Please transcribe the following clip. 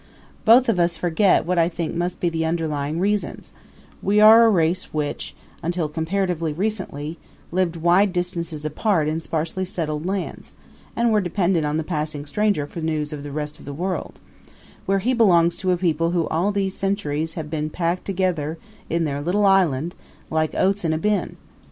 Both of us forget what I think must be the underlying reasons that we are a race which, until comparatively recently, lived wide distances apart in sparsely settled lands, and were dependent on the passing stranger for news of the rest of the world, where he belongs to a people who all these centuries have been packed together in their little island like oats in a bin.